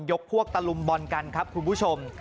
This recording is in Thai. พวกตะลุมบอลกันครับคุณผู้ชม